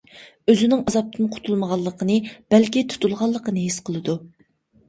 ئۆزىنىڭ ئازابتىن قۇتۇلمىغانلىقىنى بەلكى تۇتۇلغانلىقىنى ھېس قىلىدۇ.